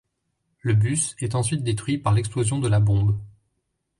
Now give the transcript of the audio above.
Le bus est ensuite détruit par l'explosion de la bombe.